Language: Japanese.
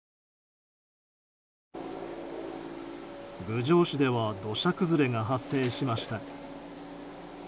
郡上市では土砂崩れが発生しました。